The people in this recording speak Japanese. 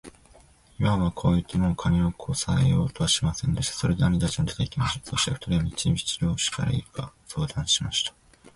イワンはこう言って、もう金をこさえようとはしませんでした。それで兄たちは出て行きました。そして二人は道々どうしたらいいか相談しました。